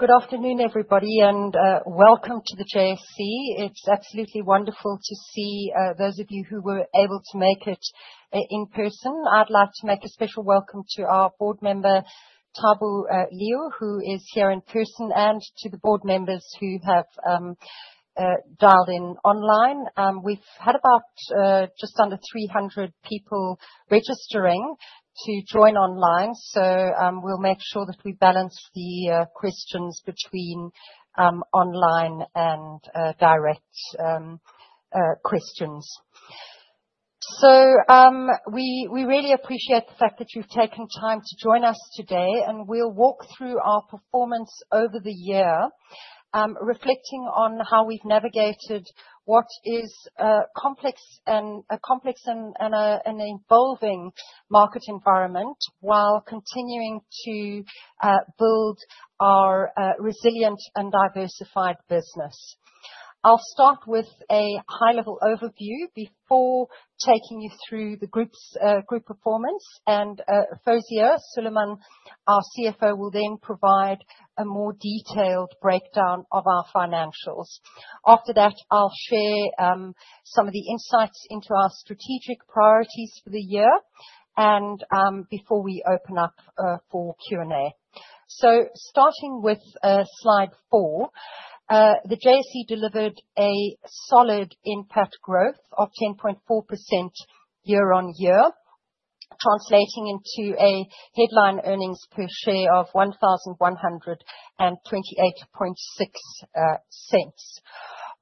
Good afternoon, everybody, and welcome to the JSE. It's absolutely wonderful to see those of you who were able to make it in person. I'd like to make a special welcome to our board member, Thabo Leo, who is here in person, and to the board members who have dialed in online. We've had about just under 300 people registering to join online, so we'll make sure that we balance the questions between online and direct questions. We really appreciate the fact that you've taken time to join us today, and we'll walk through our performance over the year, reflecting on how we've navigated what is a complex and an evolving market environment while continuing to build our resilient and diversified business. I'll start with a high-level overview before taking you through the group performance, and Fawzia Suliman, our CFO, will then provide a more detailed breakdown of our financials. After that, I'll share some of the insights into our strategic priorities for the year before we open up for Q&A. Starting with slide four, the JSE delivered a solid impact growth of 10.4% year-on-year, translating into a headline earnings per share of 1,128.6 cents.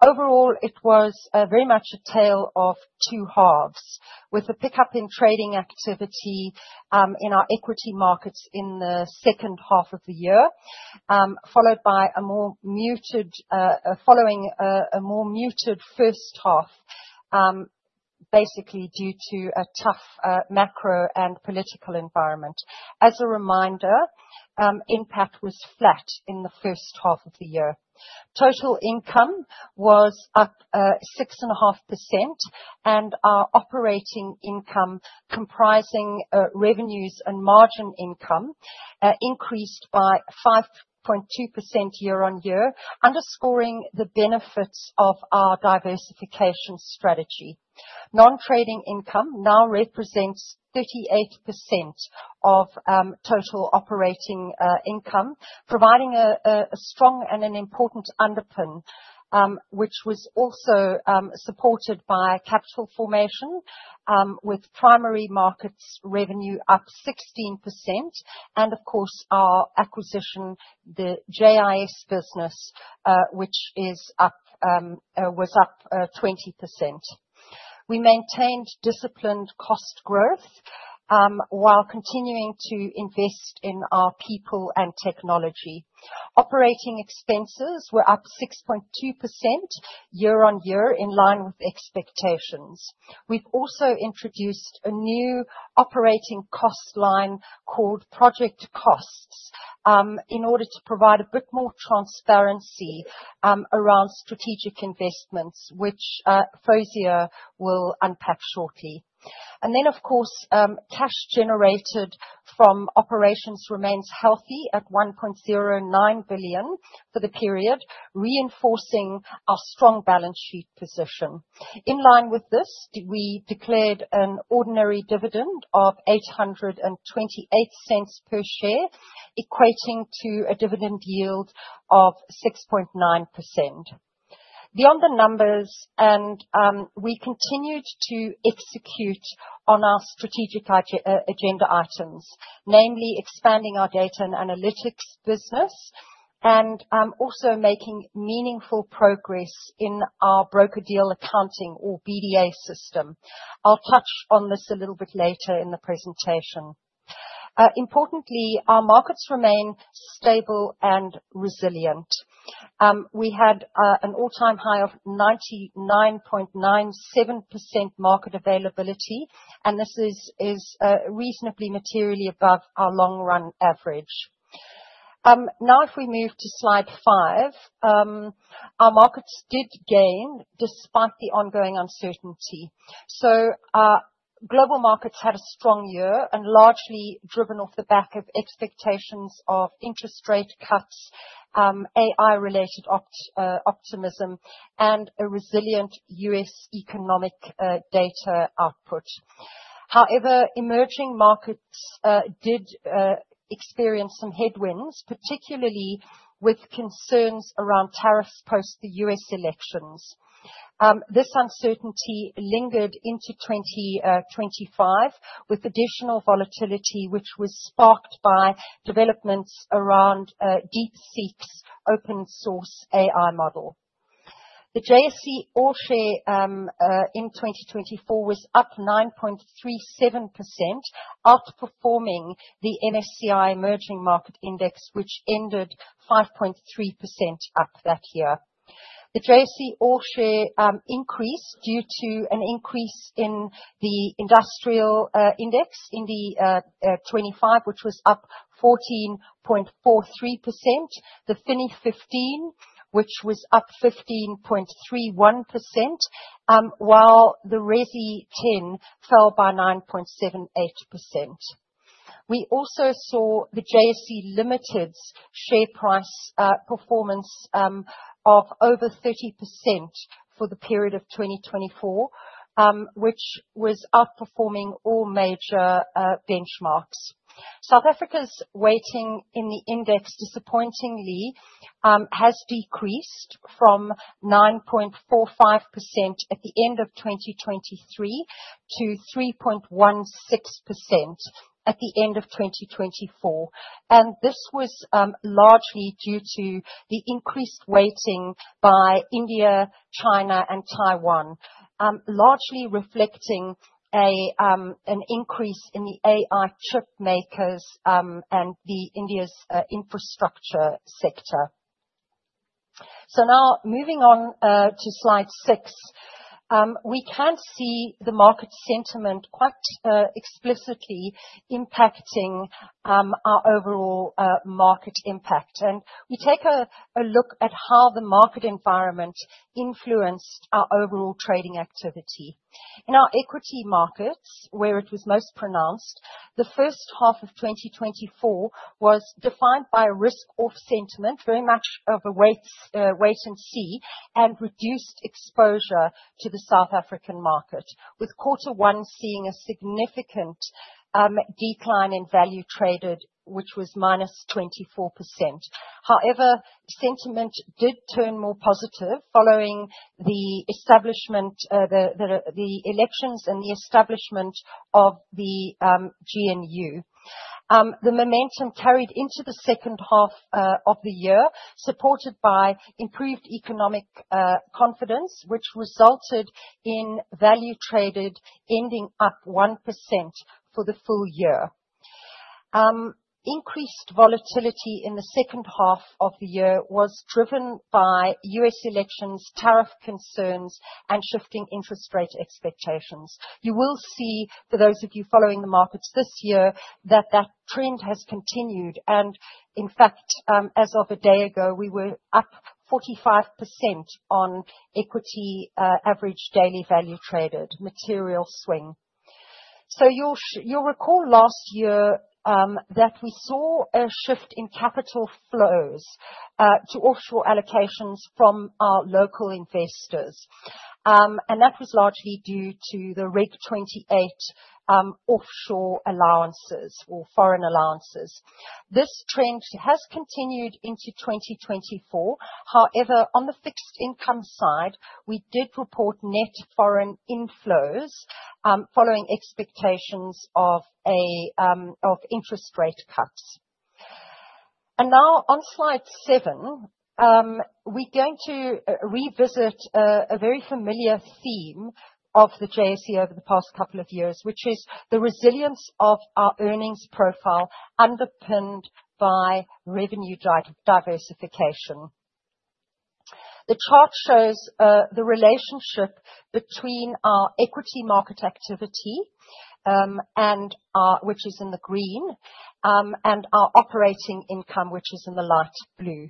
Overall, it was very much a tale of two halves, with a pickup in trading activity in our equity markets in the second half of the year, following a more muted first half, basically due to a tough macro and political environment. As a reminder, impact was flat in the first half of the year. Total income was up 6.5%, and our operating income, comprising revenues and margin income, increased by 5.2% year-on-year, underscoring the benefits of our diversification strategy. Non-trading income now represents 38% of total operating income, providing a strong and an important underpin, which was also supported by capital formation, with primary markets revenue up 16%, and of course, our acquisition, the JIS business, which was up 20%. We maintained disciplined cost growth while continuing to invest in our people and technology. Operating expenses were up 6.2% year-on-year, in line with expectations. We've also introduced a new operating cost line called project costs in order to provide a bit more transparency around strategic investments, which Fawzia will unpack shortly. Cash generated from operations remains healthy at 1.09 billion for the period, reinforcing our strong balance sheet position. In line with this, we declared an ordinary dividend of 8.28 per share, equating to a dividend yield of 6.9%. Beyond the numbers, we continued to execute on our strategic agenda items, namely expanding our data and analytics business and also making meaningful progress in our broker-deal accounting, or BDA, system. I'll touch on this a little bit later in the presentation. Importantly, our markets remain stable and resilient. We had an all-time high of 99.97% market availability, and this is reasonably materially above our long-run average. Now, if we move to slide five, our markets did gain despite the ongoing uncertainty. Global markets had a strong year and largely driven off the back of expectations of interest rate cuts, AI-related optimism, and a resilient US economic data output. However, emerging markets did experience some headwinds, particularly with concerns around tariffs post the US elections. This uncertainty lingered into 2025, with additional volatility, which was sparked by developments around DeepSeek's open-source AI model. The JSE all-share in 2024 was up 9.37%, outperforming the MSCI Emerging Market Index, which ended 5.3% up that year. The JSE all-share increased due to an increase in the industrial index in 2025, which was up 14.43%, the FINI 15, which was up 15.31%, while the RESI 10 fell by 9.78%. We also saw the JSE Limited's share price performance of over 30% for the period of 2024, which was outperforming all major benchmarks. South Africa's weighting in the index, disappointingly, has decreased from 9.45% at the end of 2023 to 3.16% at the end of 2024. This was largely due to the increased weighting by India, China, and Taiwan, largely reflecting an increase in the AI chip makers and India's infrastructure sector. Now, moving on to slide six, we can't see the market sentiment quite explicitly impacting our overall market NPAT. We take a look at how the market environment influenced our overall trading activity. In our equity markets, where it was most pronounced, the first half of 2024 was defined by a risk-off sentiment, very much of a wait and see, and reduced exposure to the South African market, with quarter one seeing a significant decline in value traded, which was -24%. However, sentiment did turn more positive following the elections and the establishment of the GNU. The momentum carried into the second half of the year, supported by improved economic confidence, which resulted in value traded ending up 1% for the full year. Increased volatility in the second half of the year was driven by U.S. elections, tariff concerns, and shifting interest rate expectations. You will see, for those of you following the markets this year, that that trend has continued. In fact, as of a day ago, we were up 45% on equity average daily value traded, material swing. You'll recall last year that we saw a shift in capital flows to offshore allocations from our local investors. That was largely due to the Reg28 offshore allowances or foreign allowances. This trend has continued into 2024. However, on the fixed income side, we did report net foreign inflows following expectations of interest rate cuts. Now, on slide seven, we're going to revisit a very familiar theme of the JSE over the past couple of years, which is the resilience of our earnings profile underpinned by revenue diversification. The chart shows the relationship between our equity market activity, which is in the green, and our operating income, which is in the light blue.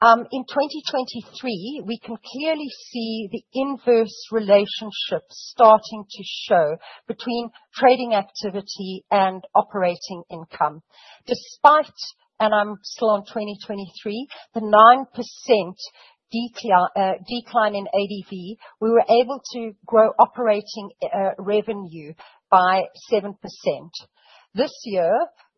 In 2023, we can clearly see the inverse relationship starting to show between trading activity and operating income. Despite, and I'm still on 2023, the 9% decline in ADV, we were able to grow operating revenue by 7%. This year,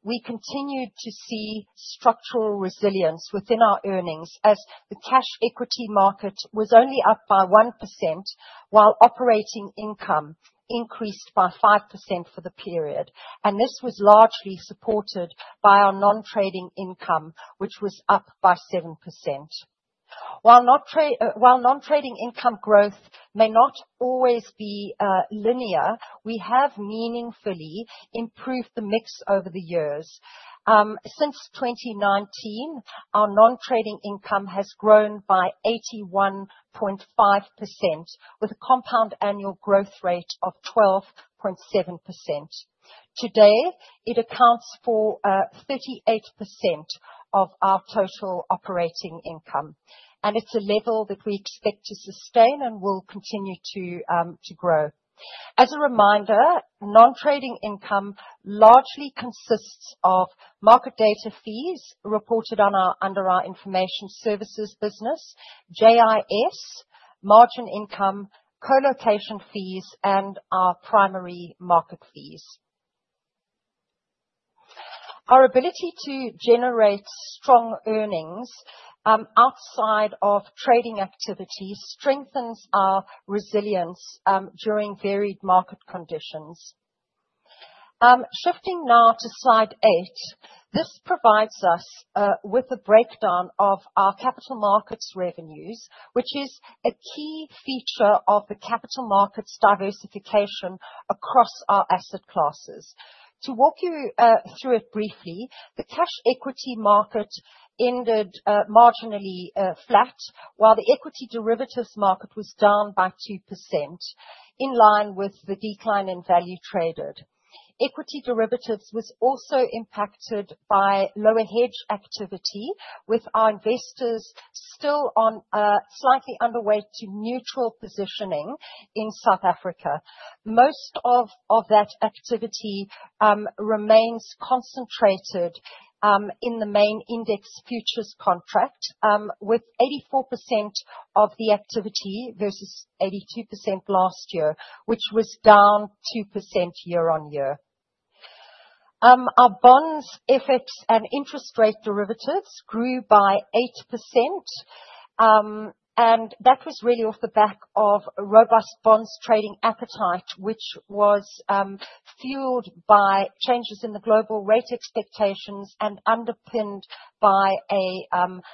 we continued to see structural resilience within our earnings as the cash equity market was only up by 1%, while operating income increased by 5% for the period. This was largely supported by our non-trading income, which was up by 7%. While non-trading income growth may not always be linear, we have meaningfully improved the mix over the years. Since 2019, our non-trading income has grown by 81.5%, with a compound annual growth rate of 12.7%. Today, it accounts for 38% of our total operating income. It is a level that we expect to sustain and will continue to grow. As a reminder, non-trading income largely consists of market data fees reported under our information services business, JIS, margin income, colocation fees, and our primary market fees. Our ability to generate strong earnings outside of trading activity strengthens our resilience during varied market conditions. Shifting now to slide eight, this provides us with a breakdown of our capital markets revenues, which is a key feature of the capital markets diversification across our asset classes. To walk you through it briefly, the cash equity market ended marginally flat, while the equity derivatives market was down by 2%, in line with the decline in value traded. Equity derivatives was also impacted by lower hedge activity, with our investors still on a slightly underweight to neutral positioning in South Africa. Most of that activity remains concentrated in the main index futures contract, with 84% of the activity versus 82% last year, which was down 2% year-on-year. Our bonds, FX, and interest rate derivatives grew by 8%. That was really off the back of robust bonds trading appetite, which was fueled by changes in the global rate expectations and underpinned by a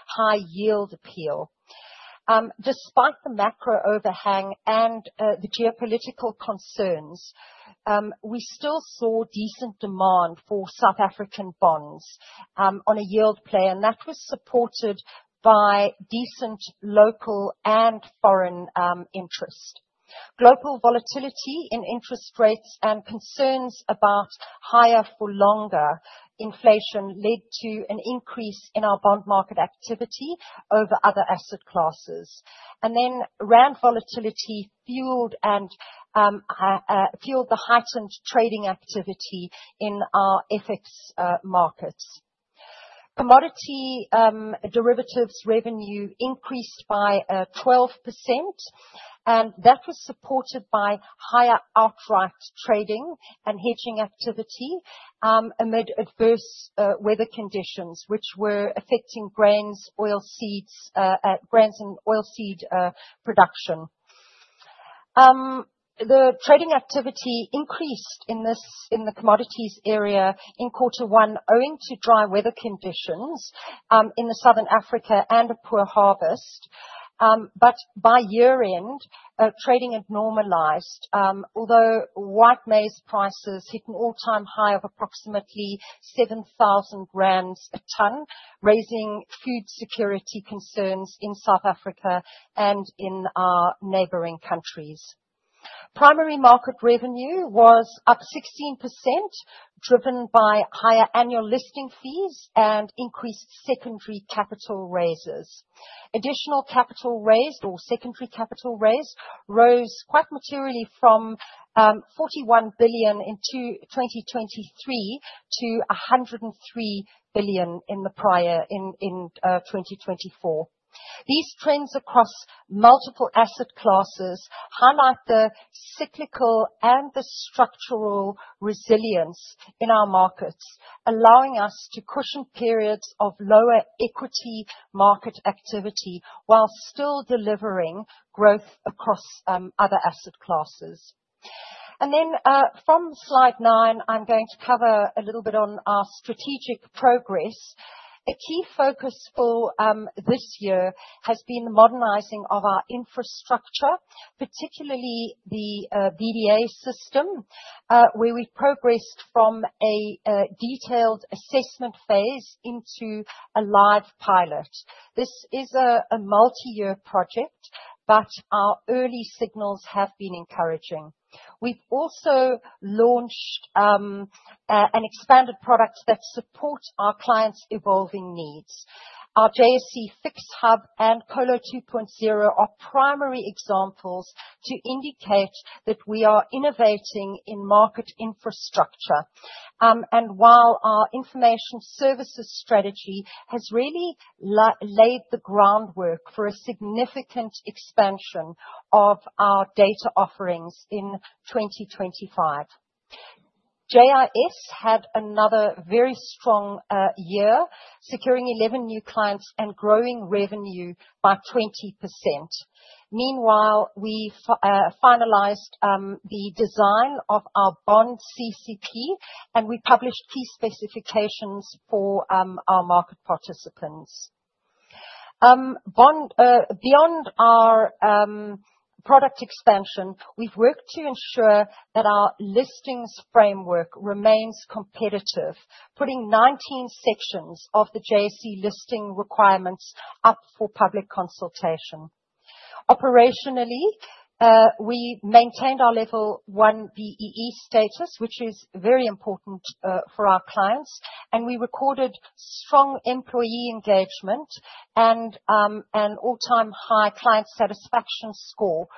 high yield appeal. Despite the macro overhang and the geopolitical concerns, we still saw decent demand for South African bonds on a yield play. That was supported by decent local and foreign interest. Global volatility in interest rates and concerns about higher-for-longer inflation led to an increase in our bond market activity over other asset classes. Ramp volatility fueled the heightened trading activity in our FX markets. Commodity derivatives revenue increased by 12%. That was supported by higher outright trading and hedging activity amid adverse weather conditions, which were affecting grains and oilseed production. The trading activity increased in the commodities area in quarter one, owing to dry weather conditions in Southern Africa and a poor harvest. By year-end, trading had normalized, although white maize prices hit an all-time high of approximately 7,000 rand a ton, raising food security concerns in South Africa and in our neighboring countries. Primary market revenue was up 16%, driven by higher annual listing fees and increased secondary capital raises. Additional capital raised or secondary capital raised rose quite materially from 41 billion in 2023 to 103 billion in 2024. These trends across multiple asset classes highlight the cyclical and the structural resilience in our markets, allowing us to cushion periods of lower equity market activity while still delivering growth across other asset classes. From slide nine, I'm going to cover a little bit on our strategic progress. A key focus for this year has been the modernizing of our infrastructure, particularly the BDA system, where we've progressed from a detailed assessment phase into a live pilot. This is a multi-year project, but our early signals have been encouraging. We've also launched an expanded product that supports our clients' evolving needs. Our JSE Fixed Hub and Colo 2.0 are primary examples to indicate that we are innovating in market infrastructure. While our information services strategy has really laid the groundwork for a significant expansion of our data offerings in 2025, JIS had another very strong year, securing 11 new clients and growing revenue by 20%. Meanwhile, we finalized the design of our bond CCP, and we published key specifications for our market participants. Beyond our product expansion, we have worked to ensure that our listings framework remains competitive, putting 19 sections of the JSE listing requirements up for public consultation. Operationally, we maintained our level one BEE status, which is very important for our clients. We recorded strong employee engagement and an all-time high client satisfaction score.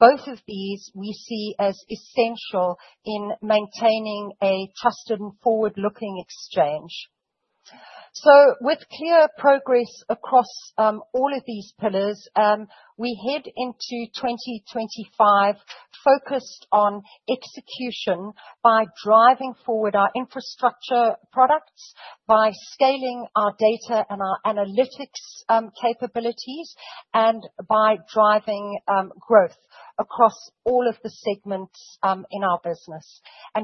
Both of these we see as essential in maintaining a trusted and forward-looking exchange. With clear progress across all of these pillars, we head into 2025 focused on execution by driving forward our infrastructure products, by scaling our data and our analytics capabilities, and by driving growth across all of the segments in our business.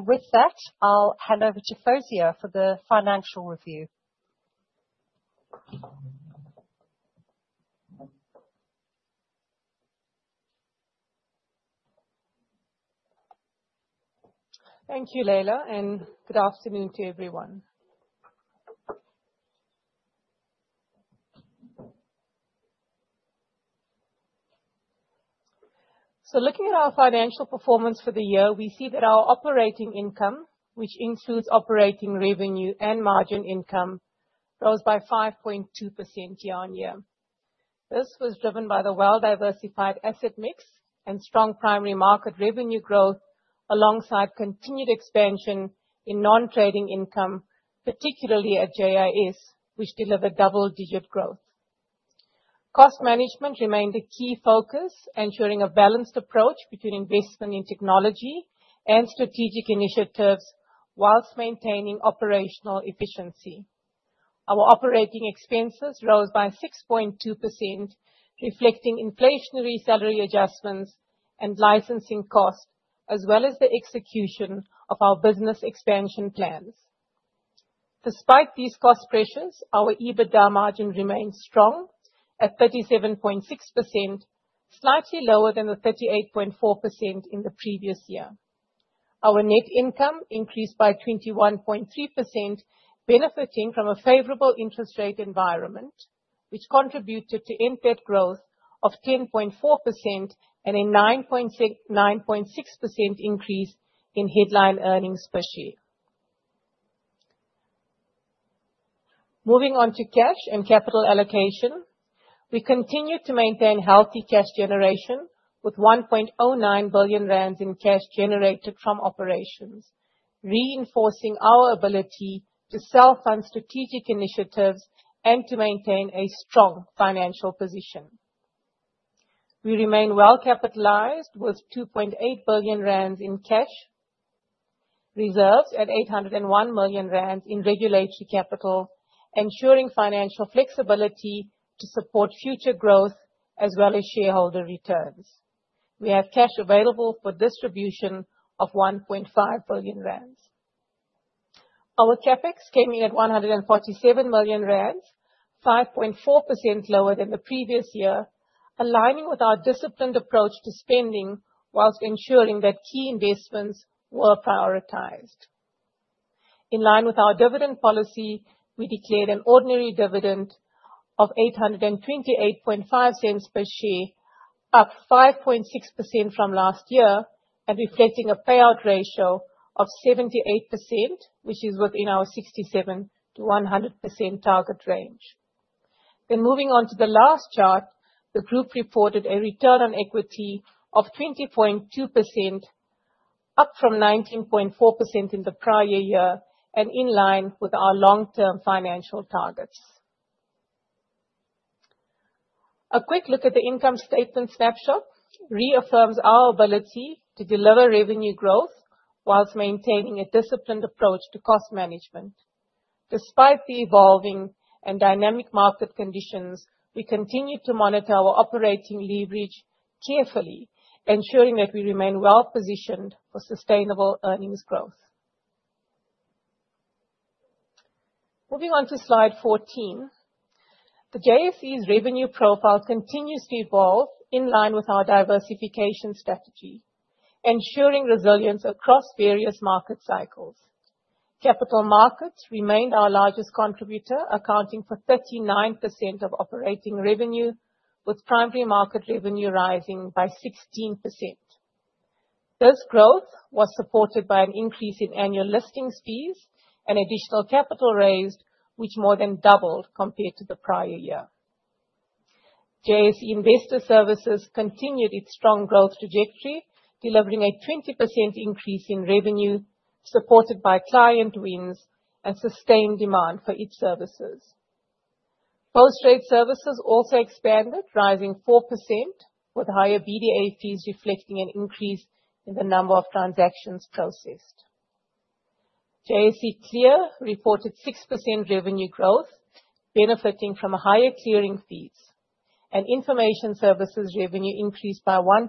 With that, I'll hand over to Fawzia for the financial review. Thank you, Leila, and good afternoon to everyone. Looking at our financial performance for the year, we see that our operating income, which includes operating revenue and margin income, rose by 5.2% year-on-year. This was driven by the well-diversified asset mix and strong primary market revenue growth, alongside continued expansion in non-trading income, particularly at JIS, which delivered double-digit growth. Cost management remained a key focus, ensuring a balanced approach between investment in technology and strategic initiatives whilst maintaining operational efficiency. Our operating expenses rose by 6.2%, reflecting inflationary salary adjustments and licensing costs, as well as the execution of our business expansion plans. Despite these cost pressures, our EBITDA margin remained strong at 37.6%, slightly lower than the 38.4% in the previous year. Our net income increased by 21.3%, benefiting from a favorable interest rate environment, which contributed to NPAT growth of 10.4% and a 9.6% increase in headline earnings per share. Moving on to cash and capital allocation, we continue to maintain healthy cash generation with 1.09 billion rand in cash generated from operations, reinforcing our ability to self-fund strategic initiatives and to maintain a strong financial position. We remain well capitalized with 2.8 billion rand in cash reserves and 801 million rand in regulatory capital, ensuring financial flexibility to support future growth as well as shareholder returns. We have cash available for distribution of 1.5 billion rand. Our CapEx came in at 147 million rand, 5.4% lower than the previous year, aligning with our disciplined approach to spending whilst ensuring that key investments were prioritized. In line with our dividend policy, we declared an ordinary dividend of 828.5 per share, up 5.6% from last year, and reflecting a payout ratio of 78%, which is within our 67%-100% target range. Moving on to the last chart, the group reported a return on equity of 20.2%, up from 19.4% in the prior year and in line with our long-term financial targets. A quick look at the income statement snapshot reaffirms our ability to deliver revenue growth whilst maintaining a disciplined approach to cost management. Despite the evolving and dynamic market conditions, we continue to monitor our operating leverage carefully, ensuring that we remain well positioned for sustainable earnings growth. Moving on to slide 14, the JSE's revenue profile continues to evolve in line with our diversification strategy, ensuring resilience across various market cycles. Capital markets remained our largest contributor, accounting for 39% of operating revenue, with primary market revenue rising by 16%. This growth was supported by an increase in annual listing fees and additional capital raised, which more than doubled compared to the prior year. JSE Investor Services continued its strong growth trajectory, delivering a 20% increase in revenue supported by client wins and sustained demand for its services. Post-trade services also expanded, rising 4%, with higher BDA fees reflecting an increase in the number of transactions processed. JSE Clear reported 6% revenue growth, benefiting from higher clearing fees. Information services revenue increased by 1%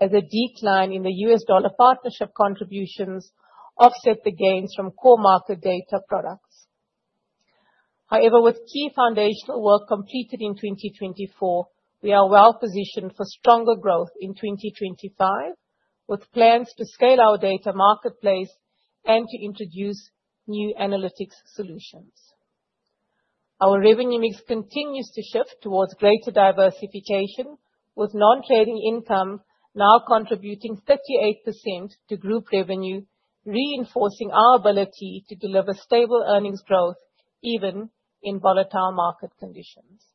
as a decline in the US dollar partnership contributions offset the gains from core market data products. However, with key foundational work completed in 2024, we are well positioned for stronger growth in 2025, with plans to scale our data marketplace and to introduce new analytics solutions. Our revenue mix continues to shift towards greater diversification, with non-trading income now contributing 38% to group revenue, reinforcing our ability to deliver stable earnings growth even in volatile market conditions.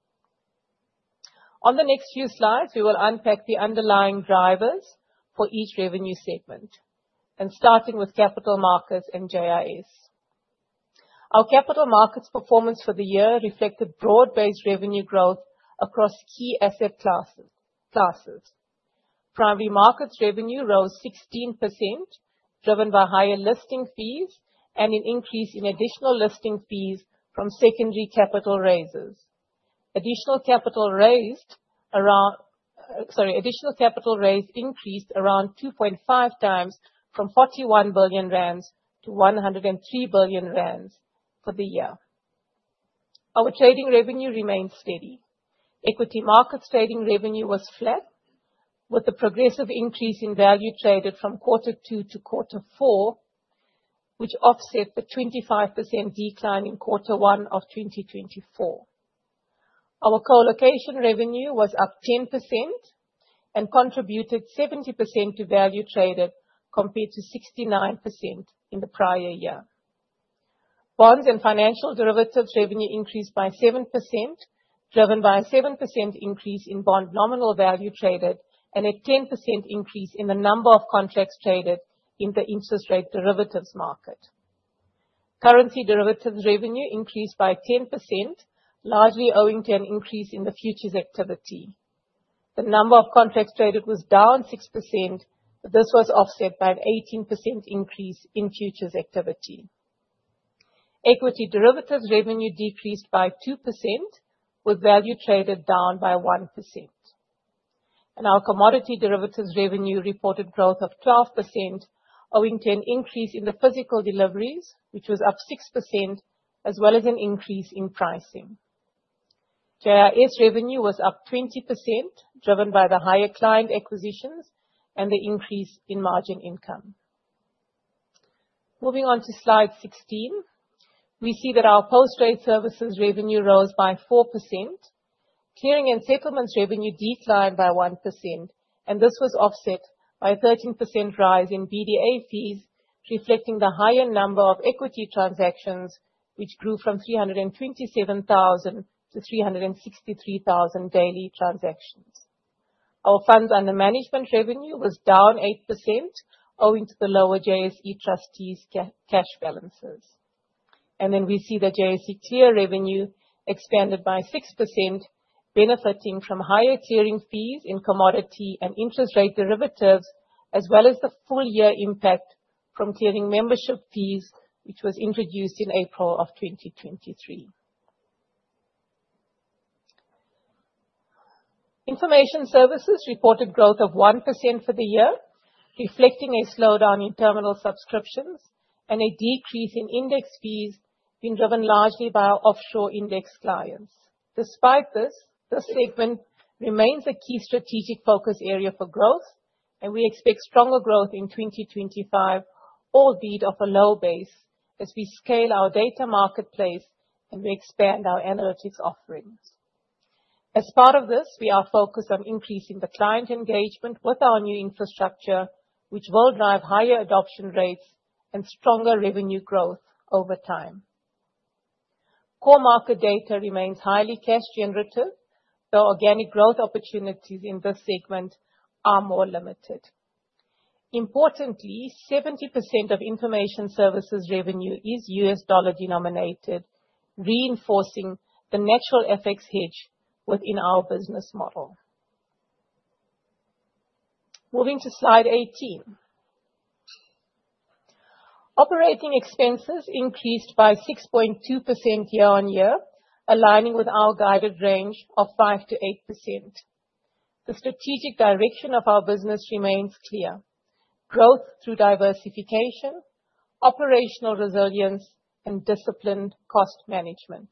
On the next few slides, we will unpack the underlying drivers for each revenue segment, starting with capital markets and JIS. Our capital markets performance for the year reflected broad-based revenue growth across key asset classes. Primary markets revenue rose 16%, driven by higher listing fees and an increase in additional listing fees from secondary capital raises. Additional capital raised increased around 2.5 times from 41 billion rand to 103 billion rand for the year. Our trading revenue remained steady. Equity markets trading revenue was flat, with the progressive increase in value traded from quarter two to quarter four, which offset the 25% decline in quarter one of 2024. Our colocation revenue was up 10% and contributed 70% to value traded compared to 69% in the prior year. Bonds and financial derivatives revenue increased by 7%, driven by a 7% increase in bond nominal value traded and a 10% increase in the number of contracts traded in the interest rate derivatives market. Currency derivatives revenue increased by 10%, largely owing to an increase in the futures activity. The number of contracts traded was down 6%, but this was offset by an 18% increase in futures activity. Equity derivatives revenue decreased by 2%, with value traded down by 1%. Our commodity derivatives revenue reported growth of 12%, owing to an increase in the physical deliveries, which was up 6%, as well as an increase in pricing. JIS revenue was up 20%, driven by the higher client acquisitions and the increase in margin income. Moving on to slide 16, we see that our post-trade services revenue rose by 4%. Clearing and settlements revenue declined by 1%, and this was offset by a 13% rise in BDA fees, reflecting the higher number of equity transactions, which grew from 327,000 to 363,000 daily transactions. Our funds under management revenue was down 8%, owing to the lower JSE trustees' cash balances. We see that JSE Clear revenue expanded by 6%, benefiting from higher clearing fees in commodity and interest rate derivatives, as well as the full-year impact from clearing membership fees, which was introduced in April of 2023. Information services reported growth of 1% for the year, reflecting a slowdown in terminal subscriptions and a decrease in index fees being driven largely by our offshore index clients. Despite this, this segment remains a key strategic focus area for growth, and we expect stronger growth in 2025, albeit off a low base as we scale our data marketplace and we expand our analytics offerings. As part of this, we are focused on increasing the client engagement with our new infrastructure, which will drive higher adoption rates and stronger revenue growth over time. Core market data remains highly cash generative, though organic growth opportunities in this segment are more limited. Importantly, 70% of information services revenue is US dollar denominated, reinforcing the natural FX hedge within our business model. Moving to slide 18, operating expenses increased by 6.2% year-on-year, aligning with our guided range of 5%-8%. The strategic direction of our business remains clear: growth through diversification, operational resilience, and disciplined cost management.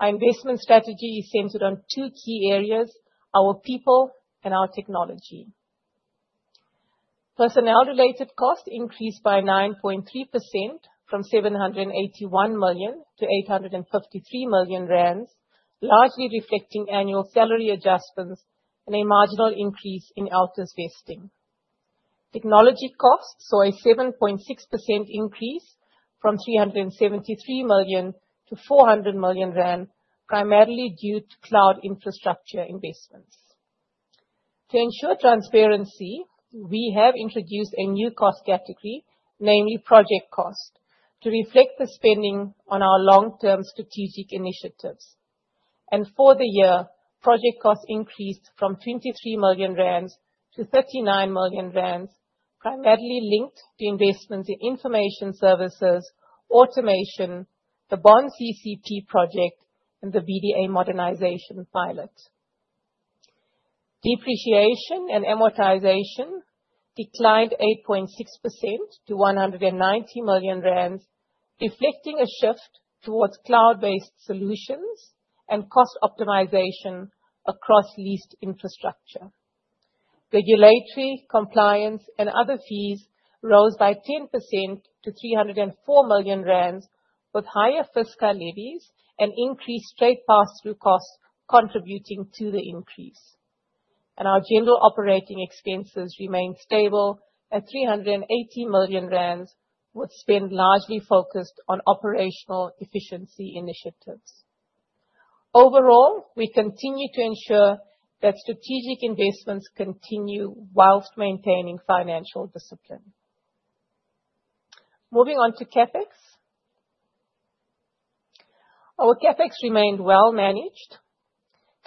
Our investment strategy is centered on two key areas: our people and our technology. Personnel-related costs increased by 9.3% from 781 million to 853 million rand, largely reflecting annual salary adjustments and a marginal increase in LTIs vesting. Technology costs saw a 7.6% increase from 373 million to 400 million rand, primarily due to cloud infrastructure investments. To ensure transparency, we have introduced a new cost category, namely project cost, to reflect the spending on our long-term strategic initiatives. For the year, project costs increased from 23 million rand to 39 million rand, primarily linked to investments in information services, automation, the Bond CCP project, and the BDA modernization pilot. Depreciation and amortization declined 8.6% to 190 million rand, reflecting a shift towards cloud-based solutions and cost optimization across leased infrastructure. Regulatory compliance and other fees rose by 10% to 304 million rand, with higher fiscal levies and increased straight pass-through costs contributing to the increase. Our general operating expenses remained stable at 380 million rand, with spend largely focused on operational efficiency initiatives. Overall, we continue to ensure that strategic investments continue whilst maintaining financial discipline. Moving on to CapEx, our CapEx remained well managed,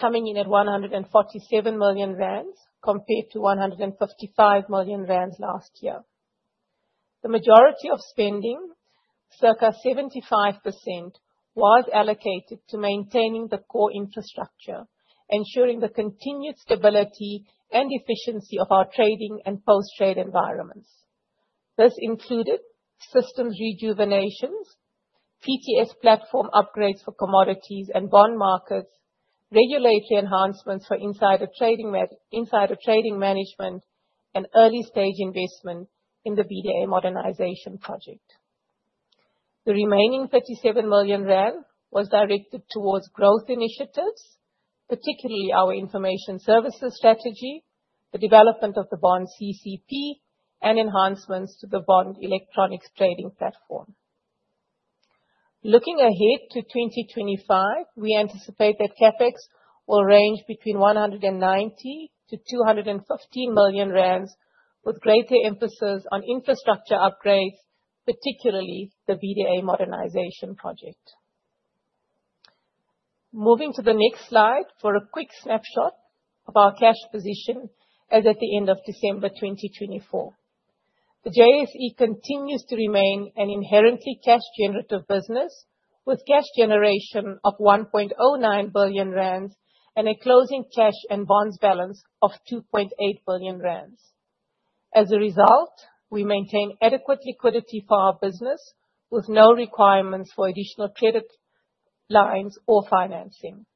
coming in at 147 million rand compared to 155 million rand last year. The majority of spending, circa 75%, was allocated to maintaining the core infrastructure, ensuring the continued stability and efficiency of our trading and post-trade environments. This included systems rejuvenations, PTS platform upgrades for commodities and bond markets, regulatory enhancements for insider trading management, and early-stage investment in the BDA modernization project. The remaining 37 million rand was directed towards growth initiatives, particularly our information services strategy, the development of the Bond CCP, and enhancements to the Bond Electronics Trading Platform. Looking ahead to 2025, we anticipate that CapEx will range between 190 million-215 million rand, with greater emphasis on infrastructure upgrades, particularly the BDA modernization project. Moving to the next slide for a quick snapshot of our cash position as at the end of December 2024. The JSE continues to remain an inherently cash generative business, with cash generation of 1.09 billion rand and a closing cash and bonds balance of 2.8 billion rand. As a result, we maintain adequate liquidity for our business, with no requirements for additional credit lines or financing.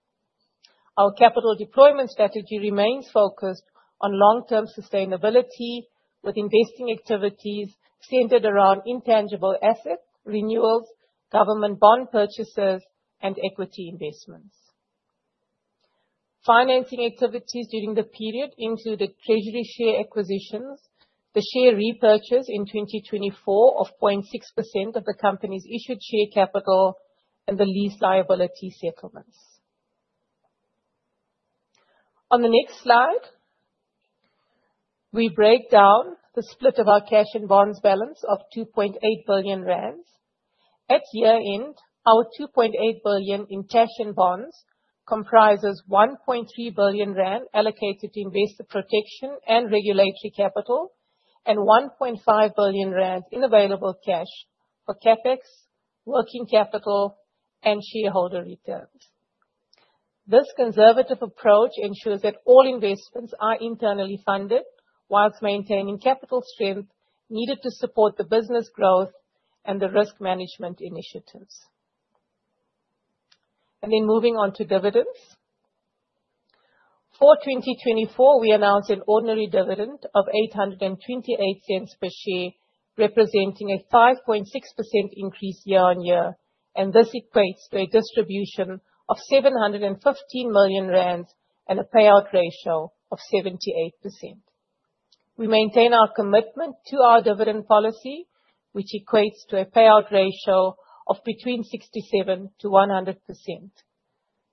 Our capital deployment strategy remains focused on long-term sustainability, with investing activities centered around intangible asset, renewals, government bond purchases, and equity investments. Financing activities during the period included treasury share acquisitions, the share repurchase in 2024 of 0.6% of the company's issued share capital, and the lease liability settlements. On the next slide, we break down the split of our cash and bonds balance of 2.8 billion rand. At year-end, our 2.8 billion in cash and bonds comprises 1.3 billion rand allocated to investor protection and regulatory capital, and 1.5 billion rand in available cash for CapEx, working capital, and shareholder returns. This conservative approach ensures that all investments are internally funded, whilst maintaining capital strength needed to support the business growth and the risk management initiatives. Moving on to dividends. For 2024, we announced an ordinary dividend of 828 per share, representing a 5.6% increase year-on-year, and this equates to a distribution of 715 million rand and a payout ratio of 78%. We maintain our commitment to our dividend policy, which equates to a payout ratio of between 67%-100%.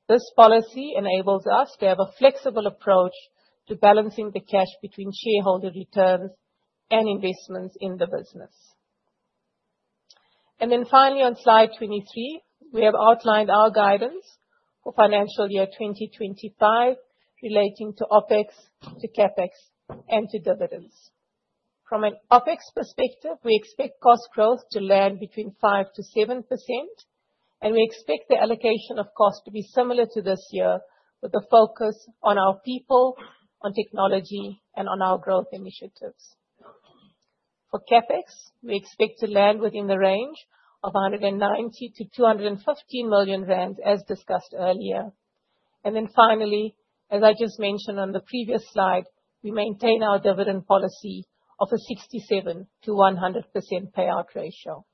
This policy enables us to have a flexible approach to balancing the cash between shareholder returns and investments in the business. Finally, on slide 23, we have outlined our guidance for financial year 2025 relating to OpEx, to CapEx, and to dividends. From an OpEx perspective, we expect cost growth to land between 5%-7%, and we expect the allocation of cost to be similar to this year, with a focus on our people, on technology, and on our growth initiatives. For CapEx, we expect to land within the range of 190 million-215 million rand, as discussed earlier. Finally, as I just mentioned on the previous slide, we maintain our dividend policy of a 67%-100% payout ratio.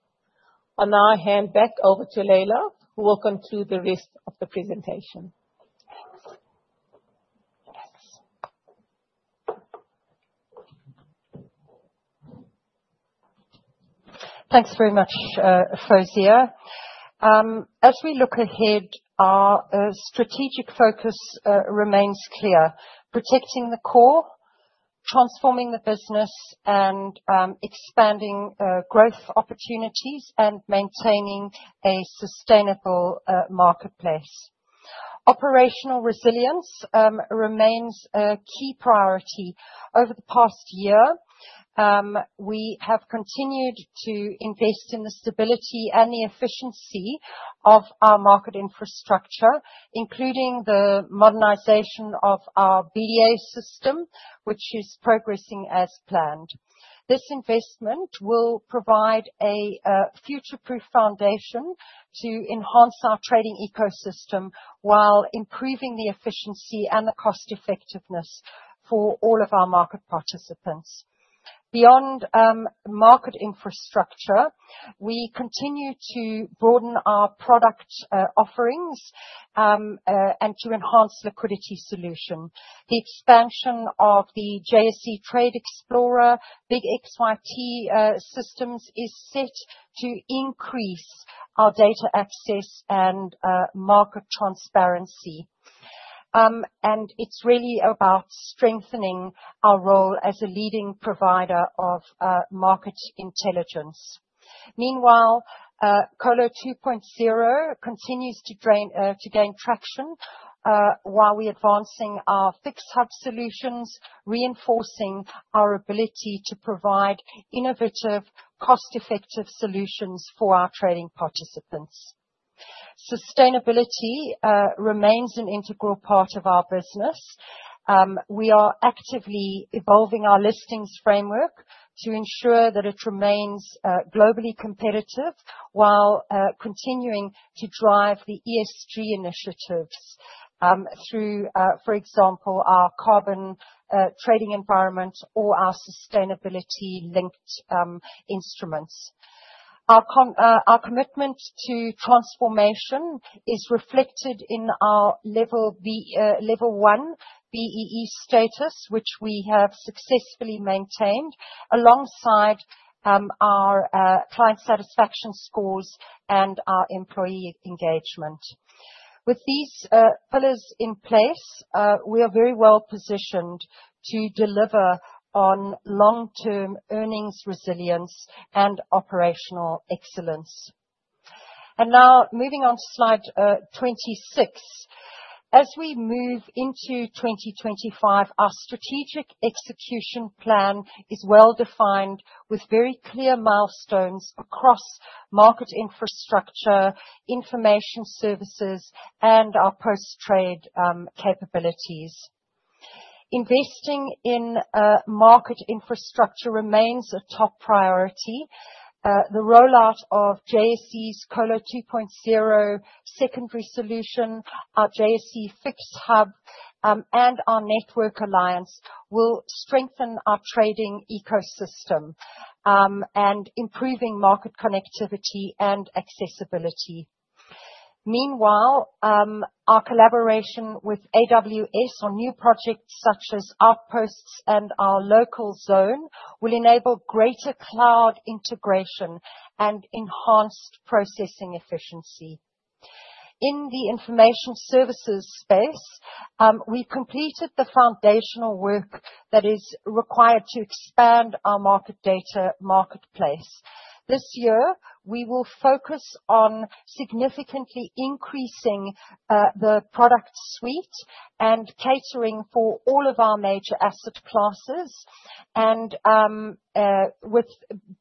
I will now hand back over to Leila, who will conclude the rest of the presentation. Thanks very much, Fawzia. As we look ahead, our strategic focus remains clear: protecting the core, transforming the business, expanding growth opportunities, and maintaining a sustainable marketplace. Operational resilience remains a key priority. Over the past year, we have continued to invest in the stability and the efficiency of our market infrastructure, including the modernization of our BDA system, which is progressing as planned. This investment will provide a future-proof foundation to enhance our trading ecosystem while improving the efficiency and the cost-effectiveness for all of our market participants. Beyond market infrastructure, we continue to broaden our product offerings and to enhance liquidity solutions. The expansion of the JSE Trade Explorer, Big XYT systems is set to increase our data access and market transparency. It is really about strengthening our role as a leading provider of market intelligence. Meanwhile, Colo 2.0 continues to gain traction while we are advancing our fixed hub solutions, reinforcing our ability to provide innovative, cost-effective solutions for our trading participants. Sustainability remains an integral part of our business. We are actively evolving our listings framework to ensure that it remains globally competitive while continuing to drive the ESG initiatives through, for example, our carbon trading environment or our sustainability-linked instruments. Our commitment to transformation is reflected in our Level 1 BEE status, which we have successfully maintained alongside our client satisfaction scores and our employee engagement. With these pillars in place, we are very well positioned to deliver on long-term earnings resilience and operational excellence. Now moving on to slide 26. As we move into 2025, our strategic execution plan is well defined with very clear milestones across market infrastructure, information services, and our post-trade capabilities. Investing in market infrastructure remains a top priority. The rollout of JSE's Colo 2.0 secondary solution, our JSE FIX Hub, and our network alliance will strengthen our trading ecosystem and improving market connectivity and accessibility. Meanwhile, our collaboration with AWS on new projects such as Outposts and our local zone will enable greater cloud integration and enhanced processing efficiency. In the information services space, we completed the foundational work that is required to expand our market data marketplace. This year, we will focus on significantly increasing the product suite and catering for all of our major asset classes, and with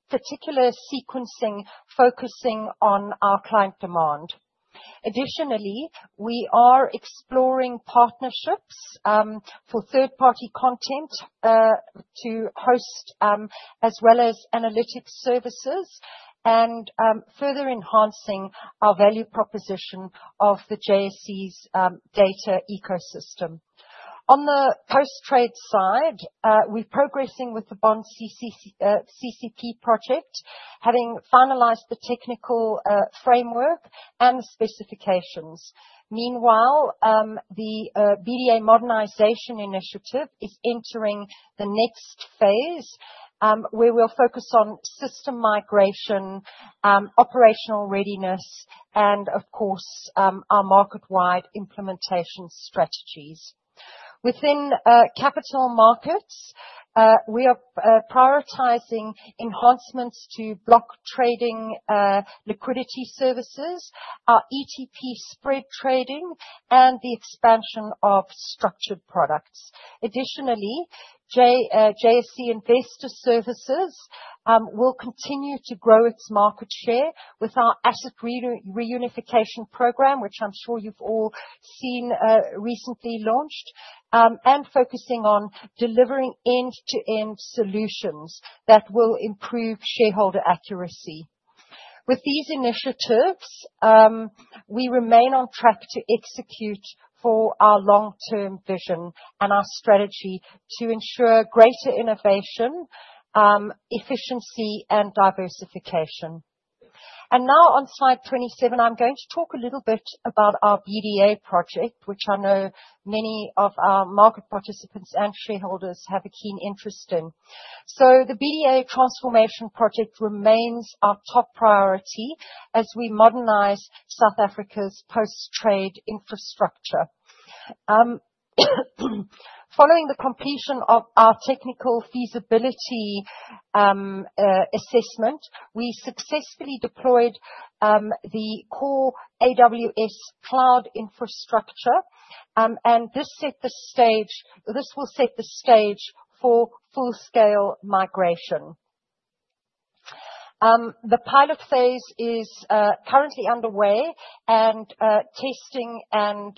particular sequencing focusing on our client demand. Additionally, we are exploring partnerships for third-party content to host, as well as analytic services, and further enhancing our value proposition of the JSE's data ecosystem. On the post-trade side, we're progressing with the Bond CCP project, having finalized the technical framework and specifications. Meanwhile, the BDA modernization initiative is entering the next phase, where we'll focus on system migration, operational readiness, and of course, our market-wide implementation strategies. Within capital markets, we are prioritizing enhancements to block trading liquidity services, our ETP spread trading, and the expansion of structured products. Additionally, JSE Investor Services will continue to grow its market share with our asset reunification program, which I'm sure you've all seen recently launched, and focusing on delivering end-to-end solutions that will improve shareholder accuracy. With these initiatives, we remain on track to execute for our long-term vision on our strategy to ensure greater innovation, efficiency, and diversification. Now on slide 27, I'm going to talk a little bit about our BDA project, which I know many of our market participants and shareholders have a keen interest in. The BDA transformation project remains our top priority as we modernize South Africa's post-trade infrastructure. Following the completion of our technical feasibility assessment, we successfully deployed the core AWS cloud infrastructure, and this will set the stage for full-scale migration. The pilot phase is currently underway, and testing and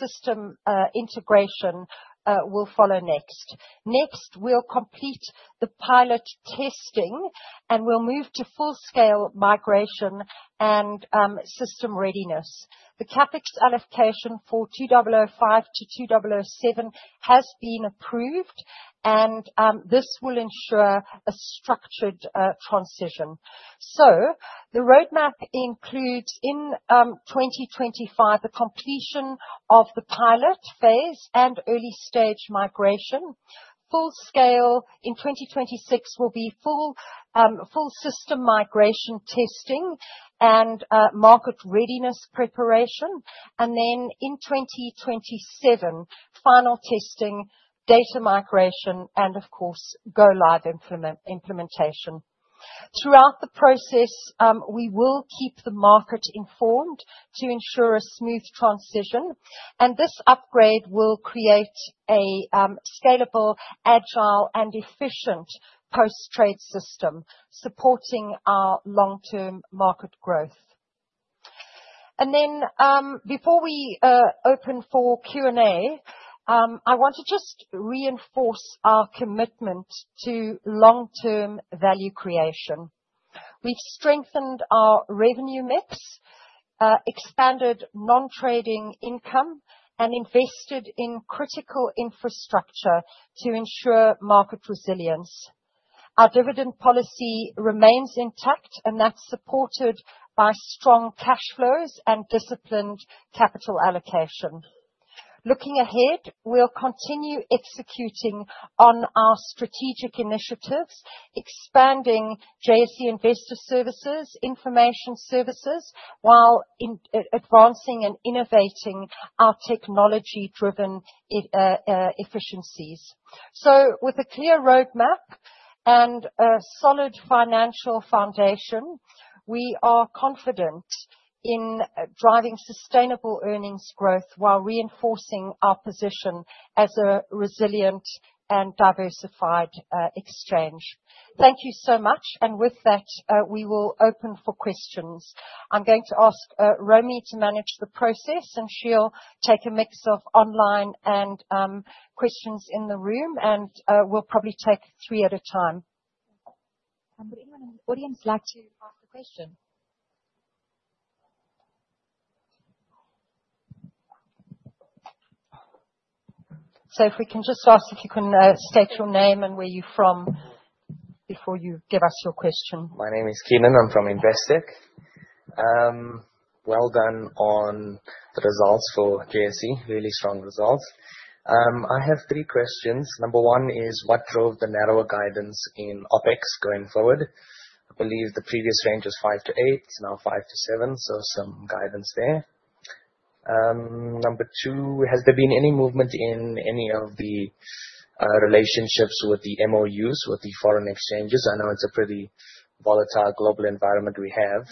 system integration will follow next. Next, we'll complete the pilot testing, and we'll move to full-scale migration and system readiness. The CapEx allocation for 2005-2007 has been approved, and this will ensure a structured transition. The roadmap includes in 2025 the completion of the pilot phase and early-stage migration. Full-scale in 2026 will be full-system migration testing and market readiness preparation, then in 2027, final testing, data migration, and of course, go-live implementation. Throughout the process, we will keep the market informed to ensure a smooth transition. This upgrade will create a scalable, agile, and efficient post-trade system supporting our long-term market growth. Before we open for Q&A, I want to just reinforce our commitment to long-term value creation. We've strengthened our revenue mix, expanded non-trading income, and invested in critical infrastructure to ensure market resilience. Our dividend policy remains intact, and that is supported by strong cash flows and disciplined capital allocation. Looking ahead, we'll continue executing on our strategic initiatives, expanding JSE Investor Services, Information Services, while advancing and innovating our technology-driven efficiencies. With a clear roadmap and a solid financial foundation, we are confident in driving sustainable earnings growth while reinforcing our position as a resilient and diversified exchange. Thank you so much, and with that, we will open for questions. I'm going to ask Romy to manage the process, and she'll take a mix of online and questions in the room, and we'll probably take three at a time. Would anyone in the audience like to ask a question? If we can just ask if you can state your name and where you're from before you give us your question. My name is Keenon. I'm from Investec. Well done on the results for JSE, really strong results. I have three questions. Number one is, what drove the narrower guidance in OpEx going forward? I believe the previous range was 5-8, it's now 5-7, so some guidance there. Number two, has there been any movement in any of the relationships with the MOUs, with the foreign exchanges? I know it's a pretty volatile global environment we have,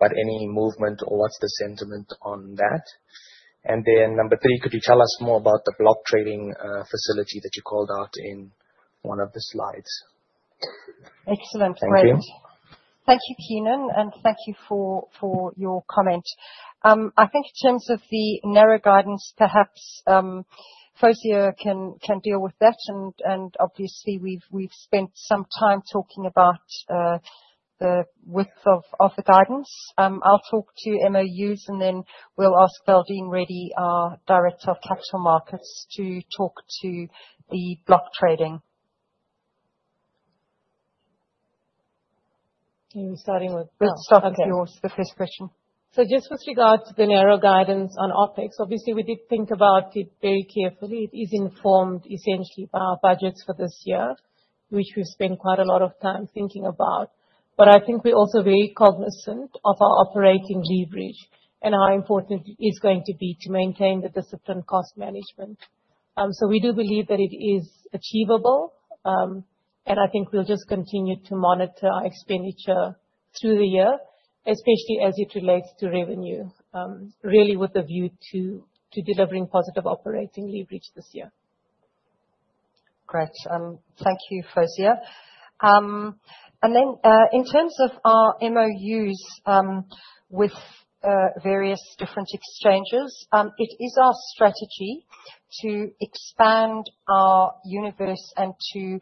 but any movement or what's the sentiment on that? Number three, could you tell us more about the block trading facility that you called out in one of the slides? Excellent question. Thank you. Thank you, Keenon, and thank you for your comment. I think in terms of the narrow guidance, perhaps, Fawzia can deal with that, and obviously, we've spent some time talking about the width of the guidance. I'll talk to MOUs, and then we'll ask Valdene Reddy, our Director of Capital Markets, to talk to the block trading. We're starting with the Okay. The first question. Just with regard to the narrow guidance on OpEx, obviously, we did think about it very carefully. It is informed essentially by our budgets for this year, which we've spent quite a lot of time thinking about. I think we're also very cognizant of our operating leverage and how important it is going to be to maintain the discipline cost management. We do believe that it is achievable, and I think we'll just continue to monitor our expenditure through the year, especially as it relates to revenue, really with a view to delivering positive operating leverage this year. Great. Thank you, Fawzia. In terms of our MOUs with various different exchanges, it is our strategy to expand our universe and to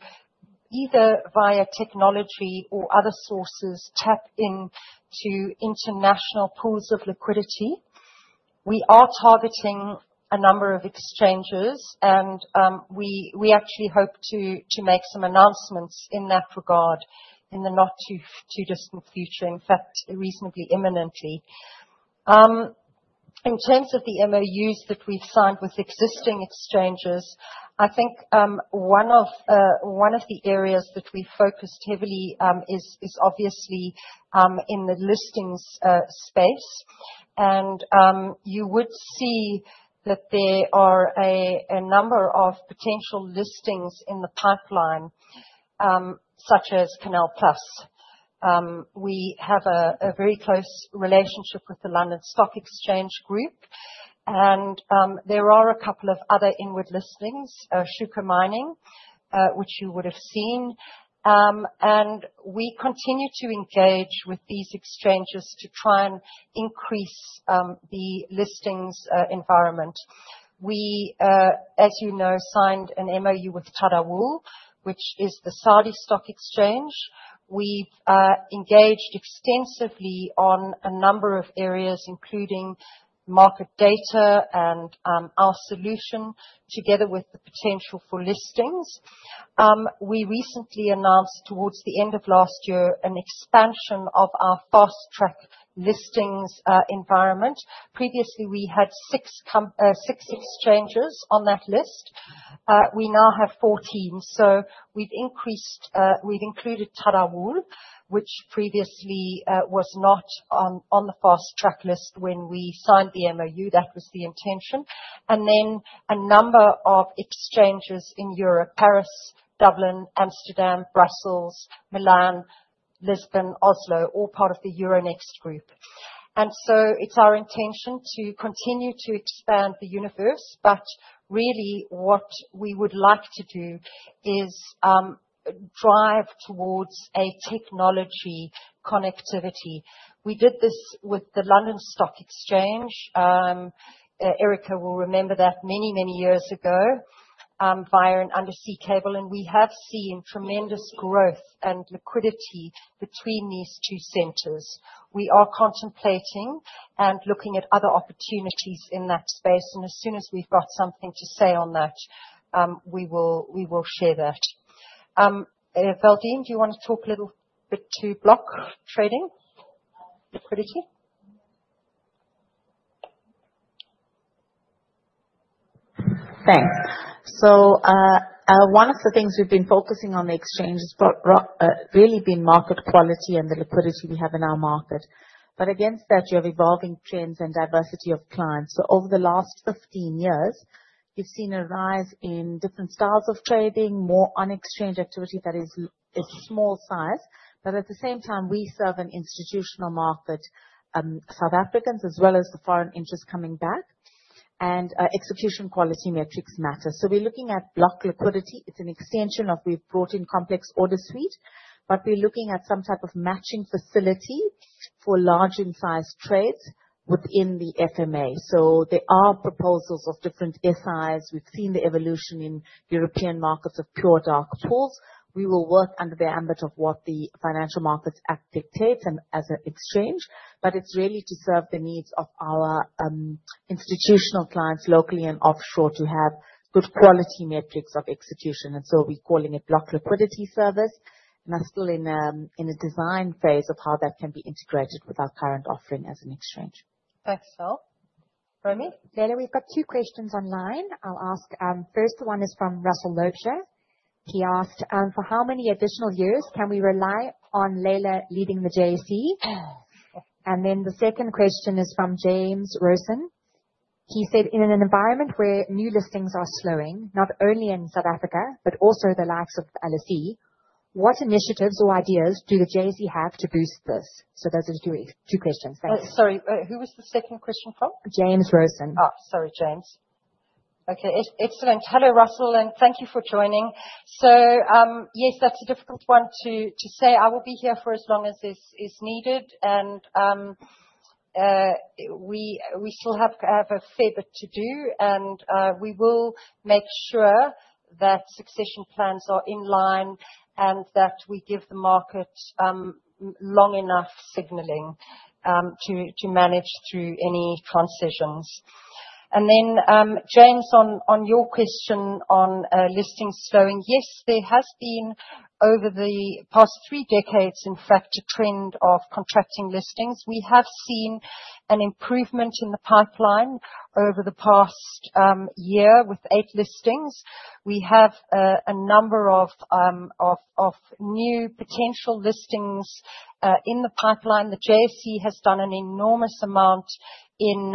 either via technology or other sources tap into international pools of liquidity. We are targeting a number of exchanges, and we actually hope to make some announcements in that regard in the not too distant future, in fact, reasonably imminently. In terms of the MOUs that we've signed with existing exchanges, I think one of the areas that we focused heavily is obviously in the listings space, and you would see that there are a number of potential listings in the pipeline, such as CANAL+. We have a very close relationship with the London Stock Exchange Group, and there are a couple of other inward listings, Shuka Minerals, which you would have seen. We continue to engage with these exchanges to try and increase the listings environment. We, as you know, signed an MOU with Tadawul, which is the Saudi Stock Exchange. We've engaged extensively on a number of areas, including market data and our solution together with the potential for listings. We recently announced towards the end of last year an expansion of our fast-track listings environment. Previously, we had six exchanges on that list. We now have 14. We have included Tadawul, which previously was not on the fast-track list when we signed the MOU. That was the intention. A number of exchanges in Europe—Paris, Dublin, Amsterdam, Brussels, Milan, Lisbon, Oslo—all part of the Euronext Group. It is our intention to continue to expand the universe, but really what we would like to do is drive towards a technology connectivity. We did this with the London Stock Exchange. Erica will remember that many, many years ago via an undersea cable, and we have seen tremendous growth and liquidity between these two centers. We are contemplating and looking at other opportunities in that space, and as soon as we've got something to say on that, we will share that. Fawzia, do you want to talk a little bit to block trading liquidity? Thanks. One of the things we've been focusing on the exchange has really been market quality and the liquidity we have in our market. Against that, you have evolving trends and diversity of clients. Over the last 15 years, you've seen a rise in different styles of trading, more unexchanged activity that is small size, but at the same time, we serve an institutional market, South Africans, as well as the foreign interest coming back, and execution quality metrics matter. We are looking at block liquidity. It's an extension that we brought in complex order suite, but we're looking at some type of matching facility for large-in-size trades within the FMA. There are proposals of different SIs. We've seen the evolution in European markets of pure dark pools. We will work under the ambit of what the Financial Markets Act dictates as an exchange, but it's really to serve the needs of our institutional clients locally and offshore to have good quality metrics of execution. We're calling it block liquidity service, and that's still in a design phase of how that can be integrated with our current offering as an exchange. Thanks for that. Romy? Leila, we've got two questions online. I'll ask. First, the one is from Russell Loubserr. He asked, for how many additional years can we rely on Leila leading the JSE? Then the second question is from James Rosen. He said, in an environment where new listings are slowing, not only in South Africa but also the likes of the LSE, what initiatives or ideas do the JSE have to boost this? Those are the two questions. Thanks. Sorry, who was the second question from? James Rosen. Oh, sorry, James. Okay, excellent. Hello, Russell, and thank you for joining. Yes, that's a difficult one to say. I will be here for as long as this is needed, and we still have a fair bit to do, and we will make sure that succession plans are in line and that we give the market long-enough signalling to manage through any transitions. James, on your question on listings slowing, yes, there has been over the past three decades, in fact, a trend of contracting listings. We have seen an improvement in the pipeline over the past year with eight listings. We have a number of new potential listings in the pipeline. The JSE has done an enormous amount in